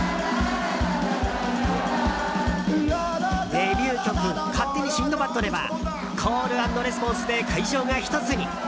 デビュー曲「勝手にシンドバッド」ではコール＆レスポンスで会場が１つに。